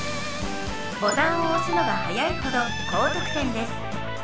ボタンを押すのが早いほど高得点です。